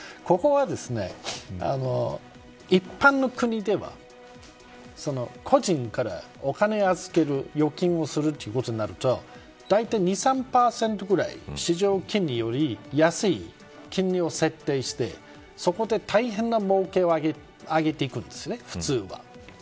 ここは、一般の国では個人からお金を預ける預金をするということになるとだいたい２、３％ぐらい市場金利より安い金利を設定してそこで大変な儲けを上げていくんです、普通は。